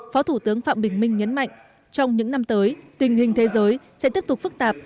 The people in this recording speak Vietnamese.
phó thủ tướng phạm bình minh nhấn mạnh trong những năm tới tình hình thế giới sẽ tiếp tục phức tạp